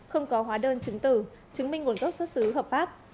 không có hóa đơn chứng tử chứng minh nguồn gốc xuất xứ hợp pháp